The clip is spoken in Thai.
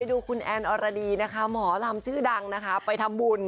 ดูคุณแอนอรดีนะคะหมอลำชื่อดังนะคะไปทำบุญ